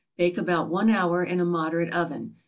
Bake about one hour in a moderate oven.